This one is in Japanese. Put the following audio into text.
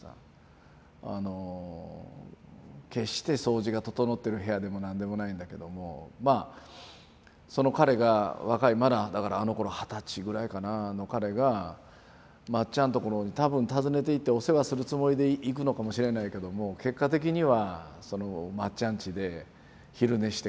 あの決して掃除が整ってる部屋でも何でもないんだけどもまあその彼が若いまだだからあのころ二十歳ぐらいかな彼がまっちゃんところに多分訪ねていってお世話するつもりで行くのかもしれないけども結果的にはそのまっちゃん家で昼寝して帰ってくるんですね。